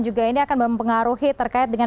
juga ini akan mempengaruhi terkait dengan